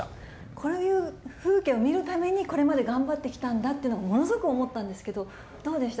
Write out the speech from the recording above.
こういう風景を見るために、これまで頑張ってきたんだっていうのが、ものすごく思ったんですけど、どうでした？